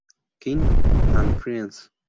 King and Friends.